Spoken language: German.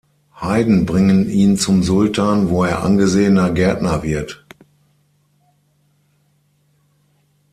Heiden bringen ihn zum Sultan, wo er angesehener Gärtner wird.